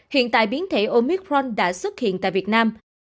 hiện tại biến thể omicron đã xuất hiện tại việt nam